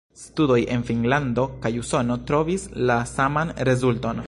Studoj en Finnlando kaj Usono trovis la saman rezulton.